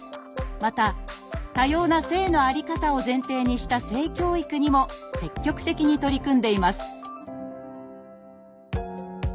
また多様な性のあり方を前提にした性教育にも積極的に取り組んでいます